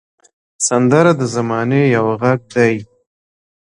سندره د زمانې یو غږ دی